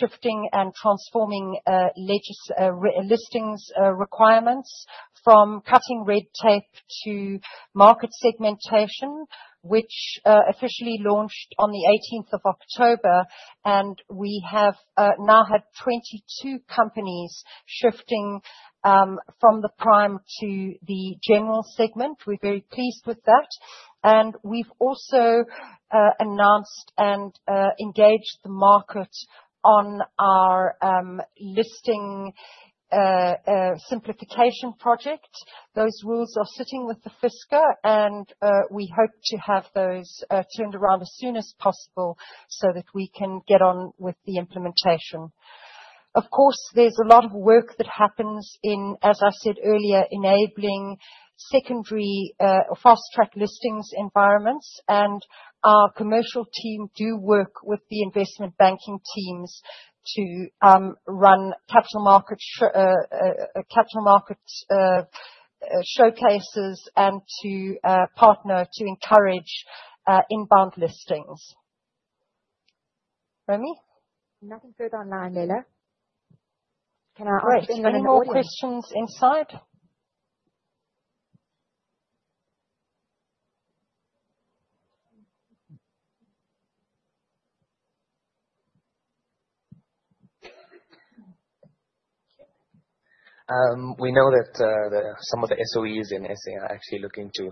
shifting and transforming listings requirements from cutting red tape to market segmentation, which officially launched on the 18th of October, and we have now had 22 companies shifting from the prime to the general segment. We are very pleased with that. We have also announced and engaged the market on a listing simplification project. Those rules are sitting with the fiscal, and we hope to have those turned around as soon as possible so that we can get on with the implementation. Of course, there's a lot of work that happens in, as I said earlier, enabling secondary or fast-track listings environments, and our commercial team do work with the investment banking teams to run capital market showcases and to partner to encourage inbound listings. Romy? Nothing further online, Leila. Can I ask any more questions inside? We know that some of the SOEs in SA are actually looking to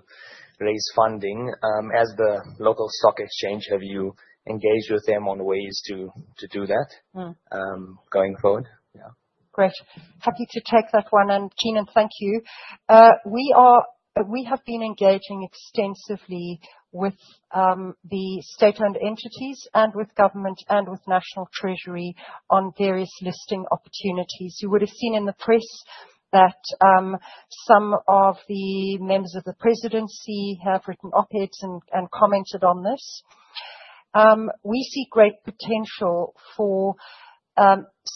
raise funding. As the local stock exchange, have you engaged with them on ways to do that going forward? Yeah. Great. Happy to take that one, and Keenon, thank you. We have been engaging extensively with the state-owned entities and with government and with National Treasury on various listing opportunities. You would have seen in the press that some of the members of the presidency have written op-eds and commented on this. We see great potential for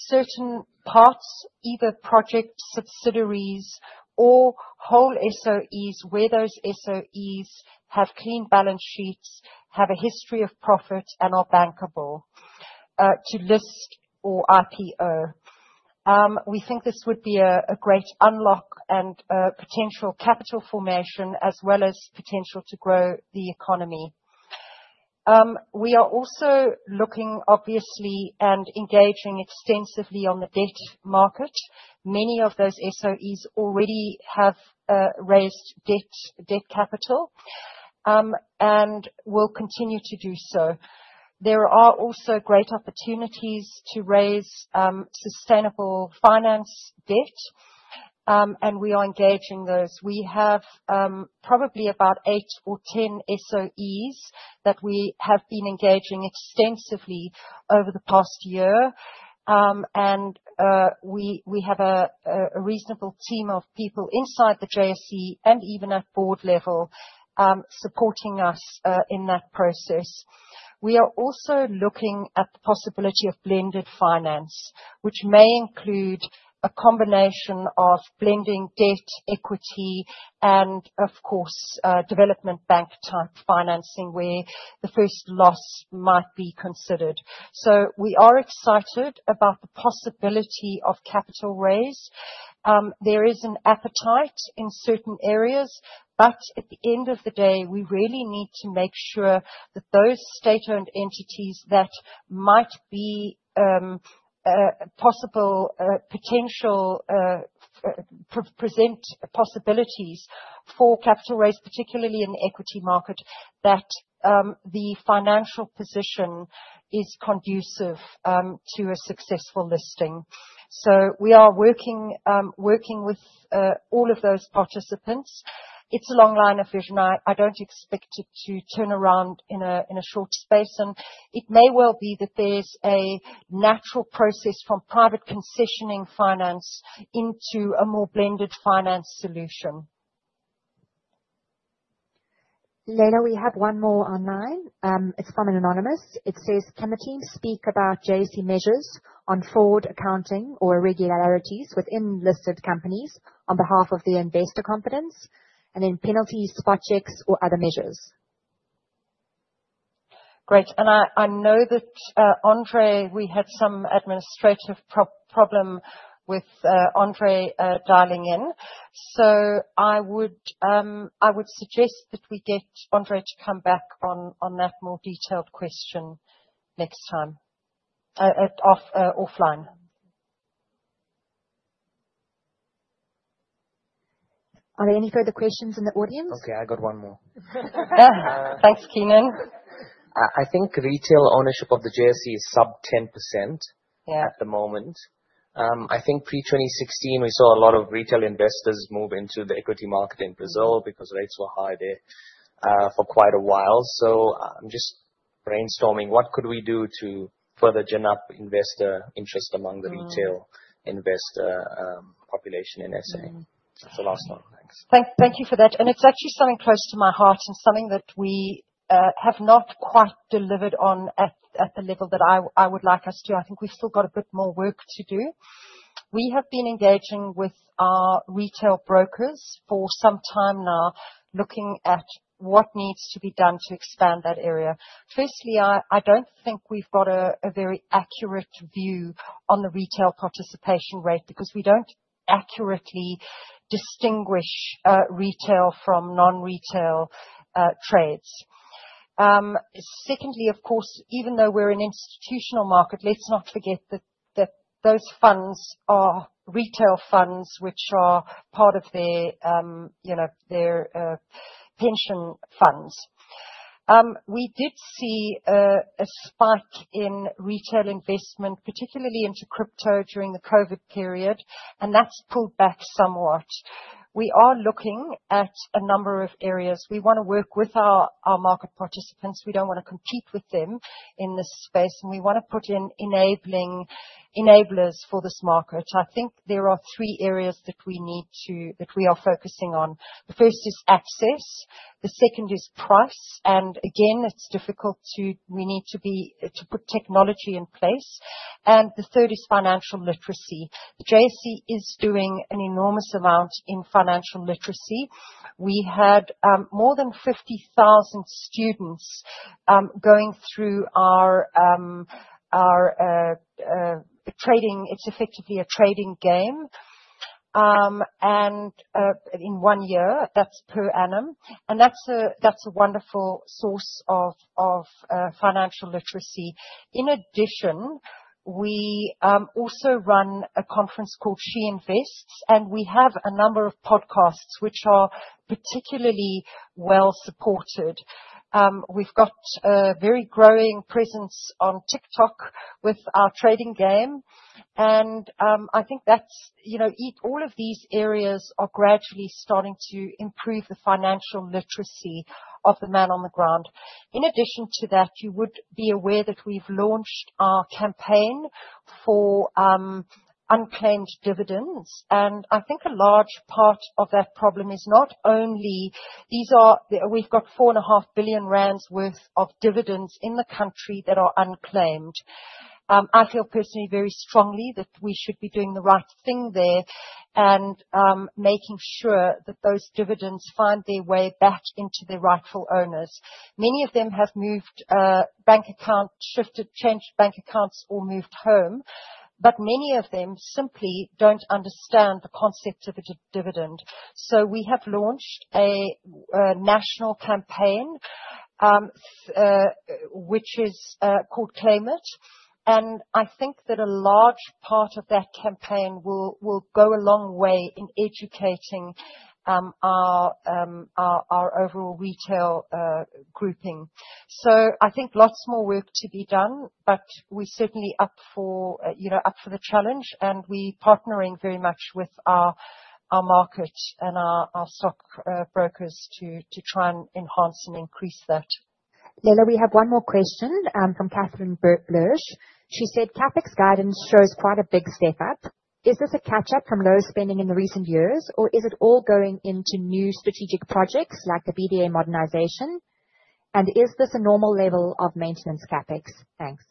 certain parts, either project subsidiaries or whole SOEs where those SOEs have clean balance sheets, have a history of profit, and are bankable to list or IPO. We think this would be a great unlock and potential capital formation as well as potential to grow the economy. We are also looking, obviously, and engaging extensively on the debt market. Many of those SOEs already have raised debt capital and will continue to do so. There are also great opportunities to raise sustainable finance debt, and we are engaging those. We have probably about eight or ten SOEs that we have been engaging extensively over the past year, and we have a reasonable team of people inside the JSE and even at board level supporting us in that process. We are also looking at the possibility of blended finance, which may include a combination of blending debt, equity, and of course, development bank-type financing where the first loss might be considered. We are excited about the possibility of capital raise. There is an appetite in certain areas, but at the end of the day, we really need to make sure that those state-owned entities that might be possible potential present possibilities for capital raise, particularly in the equity market, that the financial position is conducive to a successful listing. We are working with all of those participants. It's a long line of vision. I don't expect it to turn around in a short space, and it may well be that there's a natural process from private concessioning finance into a more blended finance solution. Leila, we have one more online. It's from an anonymous. It says, can the team speak about JSE measures on fraud accounting or irregularities within listed companies on behalf of the investor confidence, and then penalties, spot checks, or other measures? Great. I know that André, we had some administrative problem with André dialing in, so I would suggest that we get André to come back on that more detailed question next time offline. Are there any further questions in the audience? Okay, I got one more. Thanks, Keenon. I think retail ownership of the JSE is sub 10% at the moment. I think pre-2016, we saw a lot of retail investors move into the equity market in Brazil because rates were high there for quite a while. I am just brainstorming what could we do to further gin up investor interest among the retail investor population in SA? That is the last one. Thanks. Thank you for that. It is actually something close to my hear. It's something that we have not quite delivered on at the level that I would like us to. I think we have still got a bit more work to do. We have been engaging with our retail brokers for some time now, looking at what needs to be done to expand that area. Firstly, I don't think we have got a very accurate view on the retail participation rate because we do not accurately distinguish retail from non-retail trades. Secondly, of course, even though we are an institutional market, let us not forget that those funds are retail funds which are part of their pension funds. We did see a spike in retail investment, particularly into crypto during the COVID period, and that has pulled back somewhat. We are looking at a number of areas. We want to work with our market participants. We don't want to compete with them in this space, and we want to put in enablers for this market. I think there are three areas that we are focusing on. The first is access. The second is price. It's difficult to we need to put technology in place. The third is financial literacy. JSE is doing an enormous amount in financial literacy. We had more than 50,000 students going through our trading, it's effectively a trading game, in one year. That's per annum, and that's a wonderful source of financial literacy. In addition, we also run a conference called She Invests, and we have a number of podcasts which are particularly well-supported. We've got a very growing presence on TikTok with our trading game, and I think all of these areas are gradually starting to improve the financial literacy of the man on the ground. In addition to that, you would be aware that we've launched our campaign for unclaimed dividends, and I think a large part of that problem is not only these. We've got 4.5 billion rand worth of dividends in the country that are unclaimed. I feel personally very strongly that we should be doing the right thing there and making sure that those dividends find their way back into the rightful owners. Many of them have moved bank accounts, shifted, changed bank accounts, or moved home, but many of them simply don't understand the concept of a dividend. We have launched a national campaign which is called Claim It, and I think that a large part of that campaign will go a long way in educating our overall retail grouping. I think lots more work to be done, but we're certainly up for the challenge, and we're partnering very much with our market and our stock brokers to try and enhance and increase that. Leila, we have one more question from Catherine Loubser. She said, "CapEx guidance shows quite a big step up. Is this a catch-up from low spending in the recent years, or is it all going into new strategic projects like the BDA modernization? And is this a normal level of maintenance CapEx?" Thanks.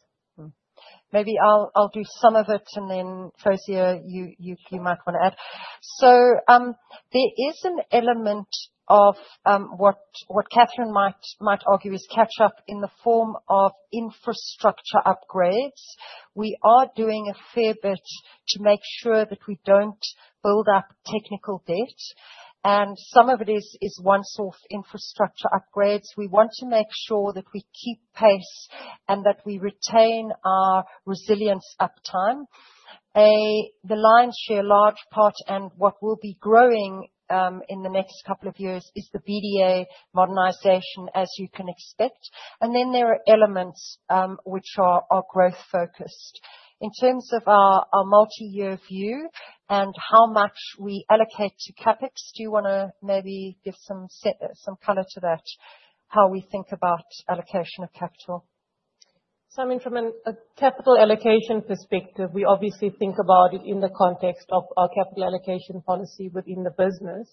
Maybe I'll do some of it, and then Fawzia, you might want to add. There is an element of what Catherine might argue is catch-up in the form of infrastructure upgrades. We are doing a fair bit to make sure that we do not build up technical debt, and some of it is one sort of infrastructure upgrades. We want to make sure that we keep pace and that we retain our resilience uptime. The lion's share, a large part, and what will be growing in the next couple of years is the BDA modernization, as you can expect. There are elements which are growth-focused. In terms of our multi-year view and how much we allocate to CapEx, do you want to maybe give some color to that, how we think about allocation of capital? I mean, from a capital allocation perspective, we obviously think about it in the context of our capital allocation policy within the business.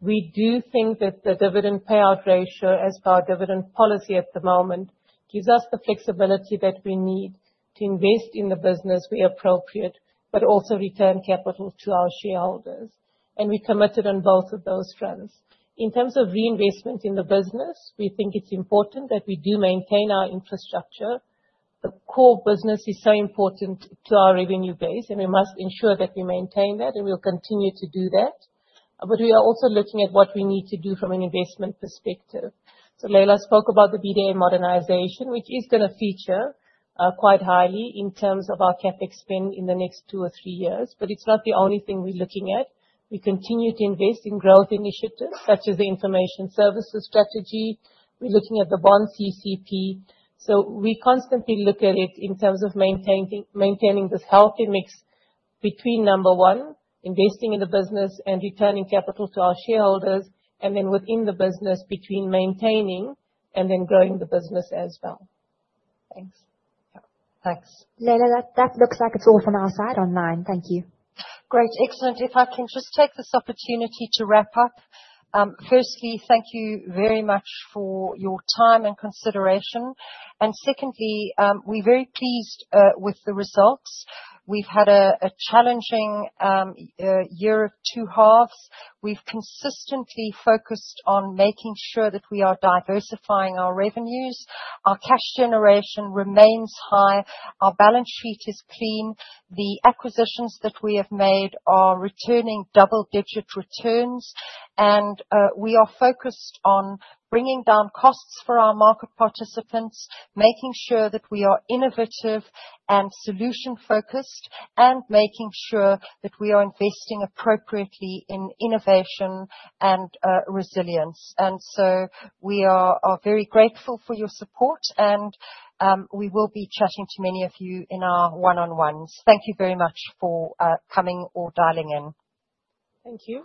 We do think that the dividend payout ratio, as per our dividend policy at the moment, gives us the flexibility that we need to invest in the business where appropriate, but also return capital to our shareholders. We are committed on both of those fronts. In terms of reinvestment in the business, we think it's important that we do maintain our infrastructure. The core business is so important to our revenue base, and we must ensure that we maintain that, and we'll continue to do that. We are also looking at what we need to do from an investment perspective. Leila spoke about the BDA modernization, which is going to feature quite highly in terms of our CapEx spend in the next two or three years, but it's not the only thing we're looking at. We continue to invest in growth initiatives such as the information services strategy. We're looking at the bond CCP. We constantly look at it in terms of maintaining this healthy mix between, number one, investing in the business and returning capital to our shareholders, and then within the business between maintaining and then growing the business as well. Thanks. Thanks. Leila, that looks like it's all from our side online. Thank you. Great. Excellent. If I can just take this opportunity to wrap up. Firstly, thank you very much for your time and consideration. Secondly, we're very pleased with the results. We've had a challenging year of two halves. We've consistently focused on making sure that we are diversifying our revenues. Our cash generation remains high. Our balance sheet is clean. The acquisitions that we have made are returning double-digit returns, and we are focused on bringing down costs for our market participants, making sure that we are innovative and solution-focused, and making sure that we are investing appropriately in innovation and resilience. We are very grateful for your support, and we will be chatting to many of you in our one-on-ones. Thank you very much for coming or dialing in. Thank you.